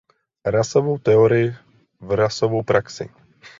Rasovou teorii v rasovou praxi.